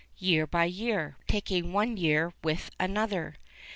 year by year, taking one year with another.